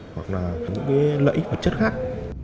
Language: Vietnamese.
hoặc là những lợi ích vật chất khác